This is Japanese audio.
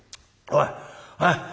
おい！